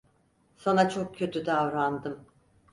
Sana çok kötü davrandım.